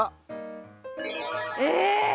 え？